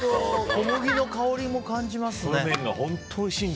小麦の香りも感じますね。